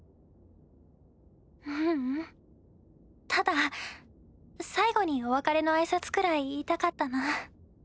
ううんただ最期にお別れの挨拶くらい言いたかったな。